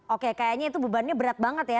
oke kayaknya itu bebannya berat banget ya